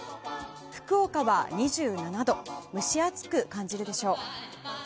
福岡は２７度蒸し暑く感じるでしょう。